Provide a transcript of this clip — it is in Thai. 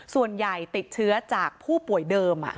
ส่วนใหญ่ติดเชื้อจากผู้ป่วยเดิม